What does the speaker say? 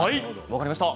分かりました。